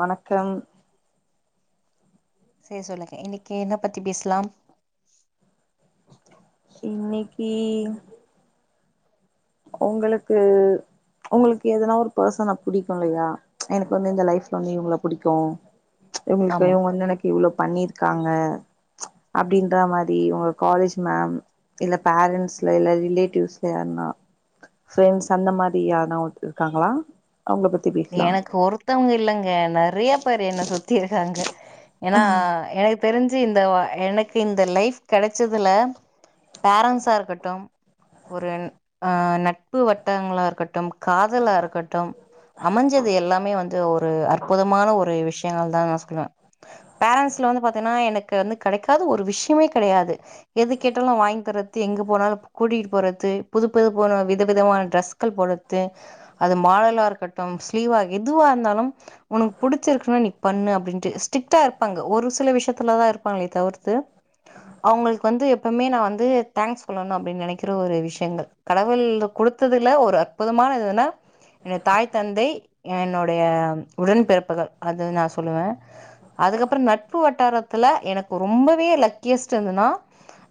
வணக்கம் செர் சொல்லுங்க இன்னைக்கு என்ன பத்தி பேஸ்லாம் இன்னைக்கி உங்களுக்கு உங்களுக்கு எதனா ஒரு பர்சன புடிக்கும் இல்லயா எனக்கு வந்து இந்த லைஃப்ல வந்து இவங்கள புடிக்கும் இவுங்குளுக்கு ஆமா இவங்க வந்து எனக்கு இவ்ளோ பண்ணிருக்காங்க அப்டின்றா மாரி உங்க காலேஜ் மேம் இல்ல பேரன்ண்ட்ஸ்ல இல்ல ரிலேட்டிவ்ஸ்ல யாருன்னா ஃப்ரெண்ட்ஸ் அந்த மாரி யார்னா ஒத்ரு இருக்காங்களா அவுங்ள பத் எனக்கு ஒருத்தவங்க இல்லங்க நெறைய பேர் என்ன சுத்தி இருக்காங்க ஏன்னா எனக் தெரிஞ்சு இந்த எனக்கு இந்த லைஃப் கெடச்சதுல பேரன்ட்ஸ்ஸா இருக்கட்டும் ஒரு ஆ நட்பு வட்டங்களா இருக்கட்டும் காதலா இருக்கட்டும் அமஞ்சது எல்லாமே வந்து ஒரு அற்புதமான ஒரு விஷயங்கள் தா நா சொல்லுவ பேரன்ட்ஸ்ல வந்து பாத்தீங்ன்னா எனக்கு வந்து கெடைக்காது ஒரு விஷயமே கெடையாது எது கேட்டாலு வாங்கி தர்து எங்க போனாலு கூட்டிட்டு போறது புது புது போன வித விதமான ட்ரெஸ் ள் போட்றது அது மாடலாக இருக்கட்டு ஸ்லீவாக எதுவா இருந்தாலு உனக்கு புடிச்சிருக்குன்னா நீ பண்ணு அப்டின்ட்டு ஸ்ட்ரிக்டா இருப்பாங்க ஒரு சில விஷயத்துலதா இருப்பாங்ளே தவிர்த்து அவுங்களுக்கு வந்து எப்பமே நா வந்து தேங்க்ஸ் சொல்லணு அப்டின்னு நெனைக்கிற ஒரு விஷயங்கள் கடவுள் குடுத்ததுல ஒரு அற்புதமான இதுன்னா என்னோட தாய் தந்தை என்னுடைய உடன்பிறப்புகள் அது நா சொல்லுவே அதுக்கப்றோ நட்பு வட்டாரத்துல எனக்கு ரொம்பவே லக்கியஸ்ட் இதுன்னா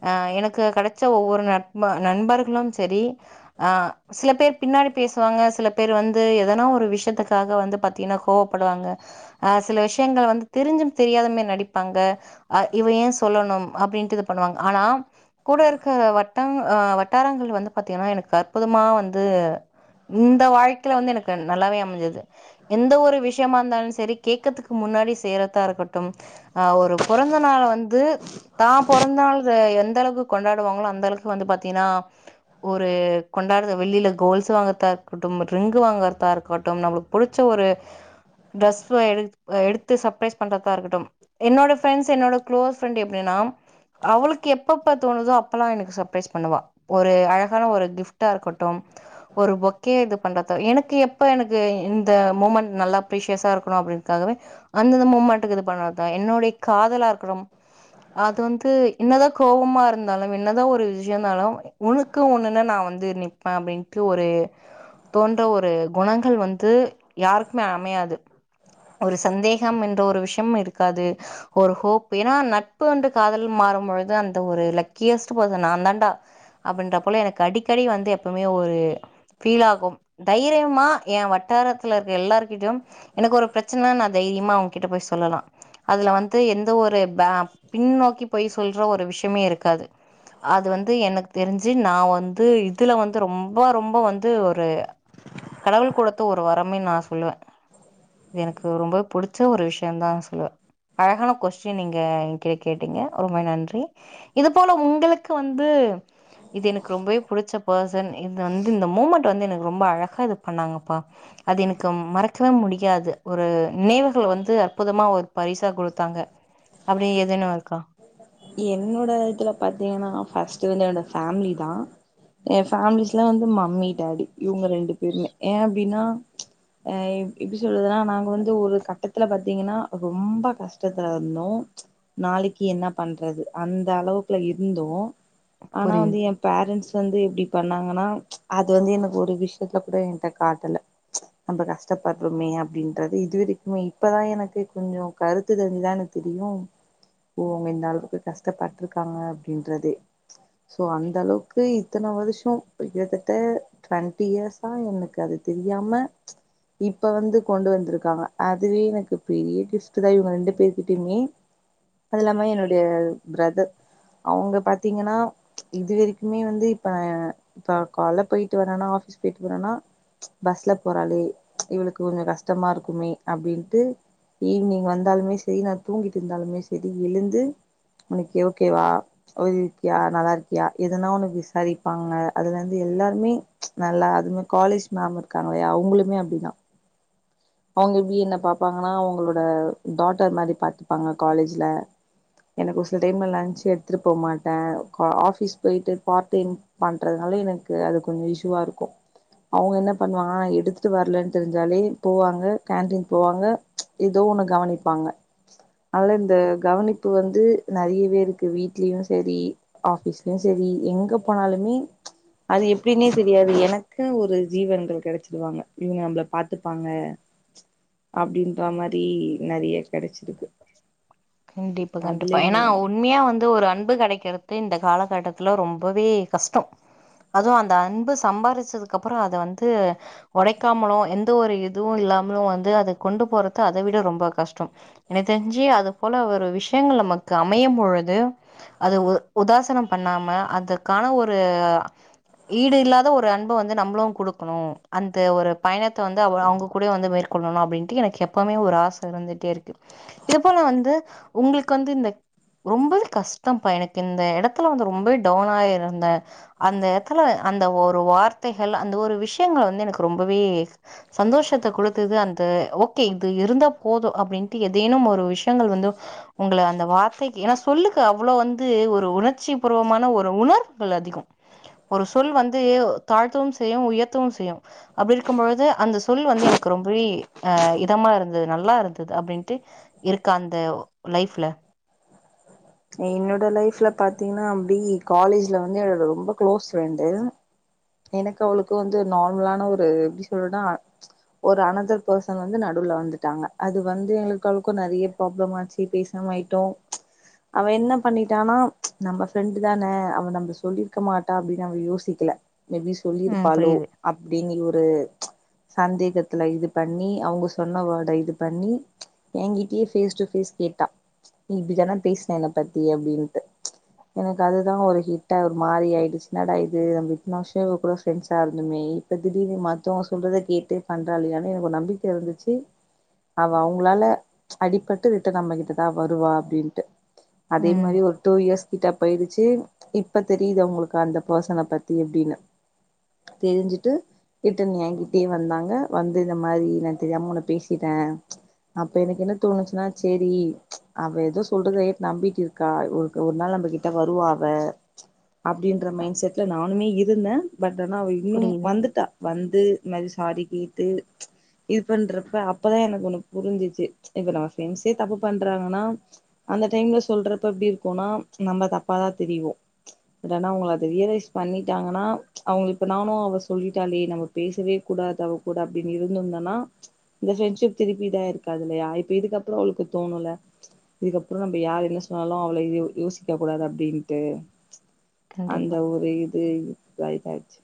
அ எனக்கு கெடைச்ச ஒவ்வொரு நட் நண்பர்களு சரி அ சில பேர் பின்னாடி பேசுவாங்க சில பேர் வந்து தெனோ ஒரு விஷயத்துக்காக வந்து பாத்திங்ன்னா கோவப்படுவாங்க அ சில விஷயங்கள் வந்து தெரிஞ்சு தெரியாத மாரி நடிப்பாங்க அ இவ ஏ சொல்லணு அப்டின்ட்டு இது பண்ணுவாங்க ஆனா கூட இருக்குற வட்டம் அ வட்டாரங்கள் வந்து பாத்திங்கன்னா எனக்கு அற்புதமா வந்து இந்த வாழ்க்கையில வந்து எனக்கு நல்லாவே அமைஞ்சுது எந்த ஒரு விஷ்யமா இருந்தாலு செரி கேக்ரதுக்கு முன்னாடி செய்றதா இருக்கட்டு அ ஒரு பொறந்த நாள வந்து தா பொறந்தாள் எந்த அளவுக்கு கொண்டாடுவாங்ளோ அந்த அளவுக்கு வந்து பாத்திங்கன்னா ஒரு கொண்டாடுற வெள்ளில கொலுசு வாங்றதா இருக்கட்டு ரிங்கு வாங்ற தா இருக்கட்டு நம்ளுக்கு புடிச்ச ஒரு ட்ரெஸ் எ எடுத்து சப்ரைஸ் பண்றதா இருக்கட்டு என்னோட ஃப்ரண்டஸ் என்னோட க்ளோஸ் ஃப்ரெண்ட் எப்டினா அவளுக்கு எப்பப்ப தோணுதோ அப்பல்லா எனக்கு சப்ரைஸ் பண்ணுவா ஒரு அழகான ஒரு கிஃப்ட்டாருக்கட்டு ஒரு பொக்கே இது பண்றது எனக்கு எப் ப்ப எனக்கு இந்த மூமெண்ட் நல்லா ப்ரீஷியஸா இருக்கணு அப்டின்றதுக்காகவே அந்தந்த மூம்மாண்டுக்கு இது பண்ணறதுதா என்னோட காதலா இருக்குரும் அது வந்து என்னதா கோவமா இருந்தாலு என்னதா ஒரு விஷ்யந்தாலு உனக்கு ஒண்ணுன்னு நா வந்து நிப்பே அப்டின்ட்டு ஒரு தோன்ற ஒரு குணங்கள் வந்து யாருக்மே அமையாது ஒரு சந்தேகம் என்ற ஒரு ஒரு விஷ்யம் இருக்காது ஒரு ஹோப் ஏன்னா நட்புன்று காதல் மாறும்பொழுது அந்த ஒரு லக்கியஸ்டு பர்ஷன் நான்தான்டா அப்டின்ற போல எனக்கு அடிக்கடி வந்து எப்பவுமே ஒரு ஃபீல் ஆகும் தைரிய மா எ வட்டாரத்துல இருக்க எல்லாருகிட்டயு எனக்கு ஒரு பிரச்சன நா தைரியமா அவுங்ககிட்ட போய் சொல்லலா அதுல வந்து எந்த ஒரு பே பின்னோக்கி போய் சொல்ற ஒரு விஷ்யமே இருக்காது அது வந்து எனக்கு தெரிஞ்சு நா வந்து இதுல வந்து ரொம்ப ரொம்ப வந்து ஒரு கடவுள் குடுத்த ஒரு வரமே நா சொல்லுவே இது எனக்கு ரொம்ப புடிச்ச ஒரு விஷ்யந்தா சொல்லுவே அழகான கொஸ்டின் நீங்க எகிட்ட கேட்டீங்க ரொம்ப நன்றி இது போல உங்களுக்கு வந்து இது எனக்கு ரொம்பவே புடிச்ச பர்ஷன் இது வந்து இந்த மூமெண்ட் வந்து எனக்கு ரொம்ப அழகா பண்ணாங்கப்பா அது எனக்கு மறக்கவே முடியாது ஒரு நினைவுகள் வந்து அற்புதமா ஒரு பரிசா குடுத்தாங்க அப்டி எதுனு இருக்கா என்னோட இதுல பாத்திங்ன்னா ஃபஸ்ட்டு வந்து என்னோட ஃபேம்லிதா என் ஃபேம்லிஸ்லா வந்து மம்மி டாடி இவுங்க ரெண்டு பேருமே ஏ அப்டின்னா அ எப்டி சொல்றதுன்னா நாங்க வந்து ஒரு கட்டத்துல பாத்திங்கன்னா ரொம்ப கஷ்டத்துல இருந்தோ நாளிக்கு என்ன பண்றது அந்த அளவுக்குல்ல இருந்தோ ஆனா வந்து புரியுது எம் பேரண்ட்ஸ் வந்து இப்டி பண்ணாங்கன்னா அது வந்து எனக்கு ஒரு விஷயத்துல கூட எங்கிட்ட காட்டல [inaudible] நம்ம கஷ்டப்பட்றோமே அப்டின்றது இதுவரைக்குமே இப்போ தா எனக்கு கொஞ்சோ கருத்து தெரிஞ்சு தா எனக்கு தெரியூ இவங்க இந்த அளவுக்கு கஷ்டப்பட்டுருக்காங்க அப்டின்றது சோ அந்த அளவுக்கு இத்தன வருஷோ இப்ப கிட்டத்தட்ட டுவெண்ட்டி இயர்ஸா எனக்கு அது தெரியாம இப்ப வந்து கொண்டு வந்திருக்காங்க அதுவே எனக்கு பெரிய கிஃப்ட் தா இவங்க ரெண்டு பேருக்கிட்டயுமே அதுல்லாம எனக் அது பிரதர் அவங்க பாத்தீங்கன்னா இது வரைக்குமே வந்து இப்ப நா இப்ப அவெ கால்ல போயிட்டு வரனா ஆஃபீஸ் போயிட்டு வரானா பஸ்ல போறளே இவளுக்கு கொஞ்சோ கஷ்டமா இருக்குமே அப்டின்ட்டு ஈவினிங் வந்தாலுமே செரி நா தூங்கிட்டு இருந்தாலுமே செரி எழுந்து இன்னக்கி ஓகேவா அழுது இருக்கியா நல்லா இருக்கியா எதுனா ஒண்ணு விசாரிப்பாங்க அதுல இருந்து எல்லாருமே நல்லா அதுவ்மே காலேஜ் மேம் இருக்காங்கில்லியா அவங்களுமே அப்டிதா அவுங்க எப்டி என்ன பாப்பாங்கன்னா அவங்களோட டாட்டர் மாறி பாத்துப்பாங்க காலேஜில எனக்கு ஒரு சில டைம்ல லன்ச் எடுத்துட்டு போவ் மாட்டே கா ஆஃபீஸ் போயிட்டு பார்ட் டைம் பண்றதுனால எனக்கு அது கொஞ்சோ இஷுவா இருக்கோ அவங்க என்ன பண்ணுவாங்கன்னா எடுத்துட்டு வரலேன்னு தெரிஞ்சாலே போவாங்க கேன்டீன் போவாங்க எதே ஒண்ணு கவனிப்பாங்க அதல இந்த கவனிப்பு வந் து நெறையவே இருக்கு வீட்லயூ சரி ஆபீஸ்லயூ சரி எங்க போனாலுமே அது எப்படின்னே தெரியாது எனக்குன்னு ஒரு ஜீவன்கள் கிடைச்சிடுவாங்க இவங்க நம்மபள பாத்துப்பாங்க அப்டின்ற மாரி நிறைய கிடைச்சிருக்கு கெண்டிப்பா கண்டிப்பா ஏன்னா ஒன் உண்மையா வந்து ஒரு அன்பு கெடைக்கறத்து இந்த காலகட்டத்துல ரொம்பவே கஷ்டம் அதுவூ அந்த அன்பு சம்பாரிச்சதுக்கு அப்புறோ அத வந்து ஒடைக்காமலூ எந்த ஒரு இதுவூ இல்லாமலும் வந்து அத கொண்டு போறத அத விட ரொம்ப கஷ்டோ எனக் தெரிஞ்சு அது போல ஒரு விஷயங்கள் நமக்கு அமையும் பொழுது அது ஓ உதாசனம் பண்ணாம அதுக்கான ஒரு ஈடு இல்லாத ஒரு அன்பு வந்து நம்மளூ கொடுக்கணூ அந்த ஒரு பயணத்தை வந்து அவங்க கூட வந்து மேற்க் கொள்ளணூ அப்படின்ட்டு எனக்கு எப்பவுமே ஒரு ஆச இருந்துட்டே இருக்கு இது போல வந்து உங்களுக்கு வந்து இந்த ரொம்பவே கஷ்டம்ப்பா எனக்கு இந்த இடத்துல வந்து ரொம்பவே டவுன் ஆயிருந்தே அந்த எட்த்துல அந்த ஒரு வார்த்தைகள் அந்த ஒரு விஷயங்கள் வந்து எனக்கு ரொம்பவே சந்தோஷத்தை கொடுத்தது அந்த ஓகே இது இருந்தா போதூ அப்படின் பத்தி ஏதேனும் ஒரு விஷயங்கள் வந்து உங்கள அந்த வார்த்தைக்கி ஏன்னா சொல்லுக்கு அவ்ளோ வந்து ஒரு உணர்ச்சி பூர்வமான ஒரு உணர்வுகள் அதிகம் ஒரு சொல் வந்து தாழ்த்தவூ செய்யூ உயர்த்தவூ செய்யூ அப்படி இருக்கும்பொழுது அந்த சொல் வந்து எனக்கு ரொம்பவே அஹ் இதமா இருந்தது நல்லா இருந்தது அப்டின் த்து இருக்க அந்த லைஃப்ல என்னோட லைஃப்ல பாத்தீங்ன்னா அப்டி காலேஜ்ல வந்து என்னோட ரொம்ப க்ளோஸ் ஃப்ரெண்டு எனக்கூ அவளுக்கூ வந்து நார்மலான ஒரு எப்டி சொல்லனுன்னா ஒரு அனதர் பெர்சன் வந்து நடுவுல வந்துட்டாங்க அது வந்து எங்களுக்கூ அவுளுக்கூ நெறையப் ப்ராப்ளம் ஆச்சு பேசாம ஆயிட்டோ அவ என்ன பண்ணிட்டானா நம்ம ஃப்ரெண்டு் தானே அவ நம்ம சொல்லியிருக்க மாட்டா அப்டின்னு அவ யோசிக்கல மேபி ம். சொல்லியிருப்பாலோ புரியுது. அப்டின்னி ஒரு சந்தேகத்துல இது பண்ணி அவங்க சொன்னவேட இது பண்ணி எனங்கிட்டயே பேஸ் டு பேஸ் கேட்டா நீ இப்டிதானா பேசின என்ன பத்தி அப்டின்னுட்டு எனக்கு அதுதா ஒரு ஹிட்டா ஒரு மாறி ஆயிடுச்சின்னாடா இது நம்ப ன வர்ஷோ இவ கூட ஃப்ரெண்ட்ஸா இருந்துமே இப்போ திடீனு மத்தவங்க சொல்றத கேட்டு பண்றாளே ஆனா எனக்கு ஒரு நம்பிக்க இருந்துச் சி அவ அவங்களால அடிப்பட்டு விட்டு நம்மகிட்டதா வருவா அப்டின்ட்டு அதே ம். மாரி ஒரு டூ இயர்ஸ் கிட்ட போயிடுச்சி இப்ப தெரியுது அவுங்களுக்கு அந்த பர்சன பத் தி எப்டின்னு தெரிஞ்சிட்டு ரிட்டன் ஏங்கிட்டயே வந்தாங்க வந்து இந்த மாரி நா தெரியாம உன்ன பேசிட்டே அப்ப எனக்கு என்ன தோணுச்சுன்னா செரி அவ ஏதோ சொல்றத கேட் நம்பிட் இருக் கா ஒருக் ஒரு நாள் நம்மகிட்ட வருவா அவ அப்டின்ற மைண்ட் செட்ல நா னே இருந்தே பட் ஆனா அவ புரியுது. இன்னும்ஸவந்துட்டா வந்து இந்த மாரி சாரி கேட்டு இது பண்றப்ப அப்பதா எனக்கு ஒண்ணு புரிஞ்சிச்சு இப்ப நம்ம ஃப்ரெண்ட்ஸே தப்பு பண்றாங்கன்னா அந்த டைம்ல சொல்றப்ப எப்டி இருக்குனா நம்ப தப்பாதா தெரியிவோ என்னன்னா அவுங்கள அத ரியலைஸ் பண்ணிட்டாங்கனா அவங்க இப்ப நானு அவ சொல்லிட்டாலே நம்ம பேசவே கூடாது அவ கூட அப்டின்னு இருந்துந்தனா இந்த ஃப்ரெண்ட்ஷிப் திருப்பிதா இதாயிருக்காது இல்லையா இப்ப இதுக்கப்புறம் அவளுக்கு தோணுல இதுக்கப்புறம் நம்ம யா என்ன சொன்னாலு அவள யோசிக்க கூடாது அப்டின்ட்டு அந்த கண்டிப்பா. ஒரு இது இதாஇதாயிச்சு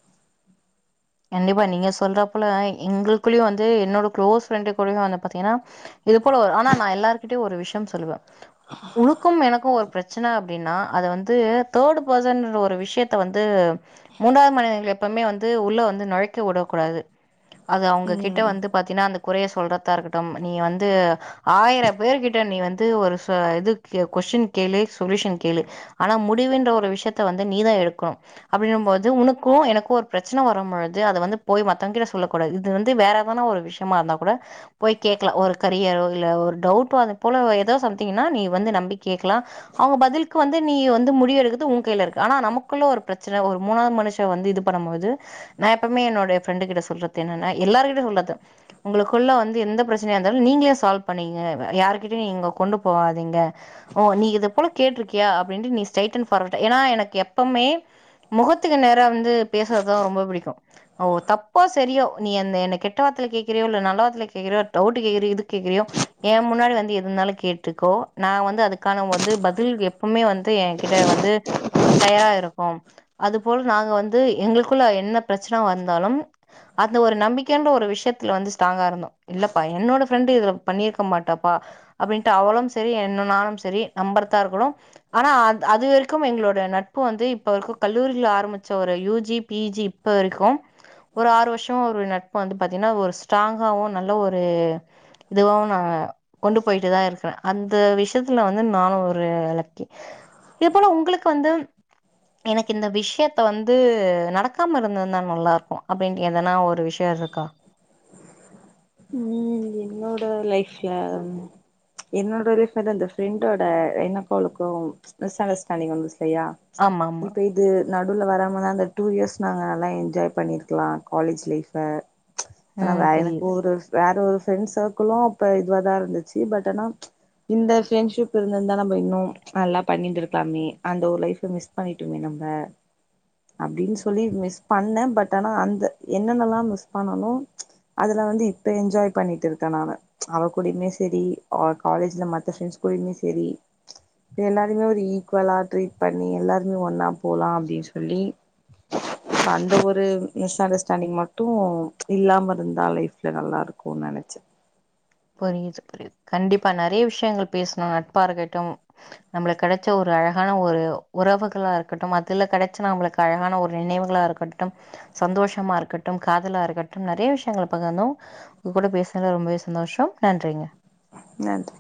கண்டிப்பா நீங்க சொல்றப்பல எங்களுக்குள்ளயு வந்து என்னோட க்ளோஸ் ஃப்ரெண்டு கூடயு வந்து பாத்தீங்கனா இது போல ஒரு ஆனா நா எல்லார்கிட்டயும் ஒரு விஷயம் சொல்லுவ உனுக்கும் எனக்கும் ஒரு பிரச்சன அப்டின்னா அத வந்து தேர்டு பர்சன்ற ஒரு விஷயத்த வந்து மூன்றாவது மனிதர்கள எப்பமே வந்து உள்ள வந்து நொழைக்க உடக்கூடாது அது அவுங்க கிட்ட ம் வந்துப் பாத்தீனா அந்த குறைய சொல்றத்தாருக்கட்டும் நீ வந்து ஆயிரம் பேர்கிட்ட நீ வந்து ஒரு இது கொஸின் கேளு சொலுயுஷன் கேளு ஆனா முடிவுன்ற ஒரு விஷயத்த வந்து நீதா எடுக்கணும் அப்டினும்போது உனக்கும் எனக்கும் ஒரு பிரச்சன வரம்பொழு து அத வந்து போய் மத்தங்க கிட்ட சொல்லக்கூடாது இது வந்து வேற எதான ஒரு விஷயமாருந்தா கூட போய் கேக்லா ஒரு கரியரோ இல்ல ஒரு டவுட்டோ அதப்போல ஏதோ சம்திங்னா நீ வந்து நம்பி கேக்லா அவுங்க பதில்க்கு வந்து நீ வந்து முடிவு எடுக்கற்து உங்கையில இருக்கு ஆனா நமக்குள்ள ஒரு பிரச்சன ஒரு மூணாது மனுஷ் ஷ வந்து இதுப்ன்னும் போது நா எப்பமே என்னோடைய ஃப்ரெண்டு கிட்ட சொல்றது என்னன்னா எல்லார்கிட்டயு சொல்றது உங்குளுக்குள்ள வந்து எந்த பிரச்சனையார்ந்தாலு நீங்களே சால்வ் பண்ணிகிங்க யார்கிட்டயு நீங்க கொண்டு போவாதீங்க ஓ நீ இதப்போல கேட்ருக்கியா அப்டின்ட்டு நீ ஸ்ட்ரெய்ட் அண்ட் பார்வர்ட் ஏனா எனக்கெப்பமே முகத்துக்கு நேரா வந்து பேசறதா ரொம்ப புடிக்கும் ஓ தப்போ சரியோ நீ அந்த என்ன கெட்ட வார்த்தல கேக்கிறியோ இல்ல நல்ல வார்த்தல கேக்கிறியொ டவுட்டு கேக்கிறியோ எதுக் கேக்கிறியோ ஏம்முன்னாடி வந்து எதுந்தாலு கேட்டுக்கோ நா வந்து அதுக்கான வந்து பதில் எப்பமே வந்து எ கிட்ட வந்து தயாரா இருக்கோம் அது போல் நாங்க வந்து எங்குளுக்குள்ள என்ன பிரச்சன வந்தாலும் அந்த ஒரு நம்பிக்கன்ற ஒரு விஷயத்துல வந்து ஸ்ராங்கா இருந்தோ இல்லப்பா என்னோட ஃப்ரெண்டு இதுல பண்ணிருக்க மாட்டாப்பா அப்டின்ட்டு அவளும் சரி என்னு நானும் சரி நம்பறத்தாருக்கணு ஆனா அ அது வரைக்கும் எங்களோட நட்பு வந்து இப்ப வரைக்கும் கல்லூரில ஆரம்பிச்ச ஒரு யூ ஜி பீ ஜி இப்ப வரைக்கும் ஒரு ஆறு வர்ஷோ ஒரு நட்பு வந்து பாத்தீங்ன்னா ஒரு ஸ் ட்ராங்காவு நல்ல ஒரு இதுவாவு நாங்க கொண்டு போய்ட்டுதா இருக்கற அந்த விஷயத்துல வந்து நானும் ஒரு லக்கி எப்பலா உங்குளுக்கு வந்து எனக்கு இந்த விஷயத்த வந்து நடக்காமரு ந்துதா நல்லார்க்கு அப்டின் எதனா ஒரு விஷயருக்கா ம் என்னோட லைஃப்ல என்னோட [unintelligible] இந்த ஃப்ரெண்டோட என்ன பழக்கோ மிஸ் அண்டர்ஸ்டாண்டிங் வந்துச்சலையா ஆமா, ஆமா. இப்ப இது நடுவுல வராமதா அந்த டூ இயர்ஸ் நாங்க நல்லா என்ஜாய் பண்ணிருக்கலா காலேஜ் லைஃப ஆனா ம் வே எனக்கு புரியுது, ஒரு வேற ஒரு ஃப்ரெண்ட் சர்க்குளும் அப்ப இதுவாதாருந்துச்சு பட் ஆனா இந்த ஃரெண்ட்ஷிப் இருந்துந்தா நம்ப இன்னும் நல்லா பண்ணிந்துருக்லாமே அந்த ஒரு லைஃப மிஸ் பண்ணிட்டுமே நம்ப அப்டின் சொல்லி மிஸ் பண்ண பட் அனா அந்த என்னென்னலா மிஸ் பண்ணணோ அதுலா வந்து இப்ப என்ஜாய் பண்ணிட்டுருக்க நானு அவ கூடையுமே செரி அவ காலேஜ்ல மத்த ஃப்ரெண்ட்ஸ் கூடையுமே செரி எல்லாரையுமே ஒரு ஈக்குவலா ட்ரீட் பண்ணி எல்லாருமே ஒன்னா போலா அப்டின் சொல்லி அந்த ஒரு மிஸ் அண்டர்ஸ்டாண்டிங் மட்டு இல்லாம ருந்தா லைஃப்ல நல்லாருக்குன் நெனச்ச புரியுது புரியுது கண்டிப்பா நெறைய விஷயங்கள் பேசுனோ நட்பாருக்கட்டும் நம்பளுக் கெடச்ச ஒரு அழகான ஒரு உறவுகளாருக்கட்டும் அதுல கெடச்ச நம்பளுக் அழகான ஒரு நினைவுகளாருக் கட்டும் சந்தோஷமாருக்கட்டும் காதலாருக்கட்டும் நெறைய விஷயங்கள் பகிர்ந்தோ உங்க கூட பேசுனல ரொம்பவே ச ந்தோஷம் நன்றிங்க நன்றி